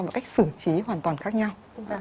và cách xử trí hoàn toàn khác nhau